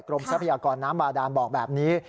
ทรัพยากรน้ำบาดานบอกแบบนี้